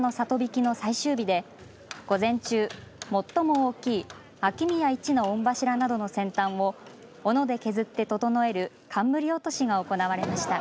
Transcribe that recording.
曳きの最終日で午前中、最も大きい秋宮一の御柱などの先端をおので削って整える冠落しが行われました。